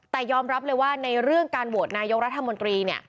แต่ยอมรับเลยว่าในเรื่องการโหวตนายกรัฐมนตรี